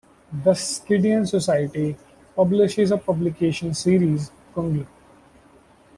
The Skyttean Society publishes a publication series, Kungl.